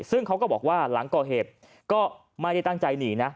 ซึ่งเขาก็บอกว่าหลังก่อเหตุก็ไม่ได้ตั้งใจหนีนะ